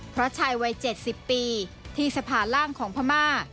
เพราะชายวัย๗๐ปีที่สะพานล่างของพม่า